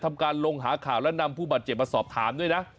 ทำการลงหาข่าวและนำผู้บาดเจ็บมาสอบถามด้วยนะ